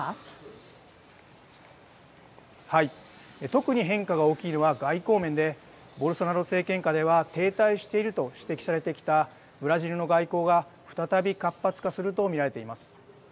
特に変化が大きいのは外交面でボルソナロ政権下では停滞していると指摘されてきたブラジルの外交が再び活発化すると見られています。